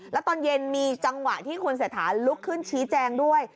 แล้วตอนเย็นมีจังหวะที่คุณเศรษฐาลุกขึ้นชี้แจงด้วย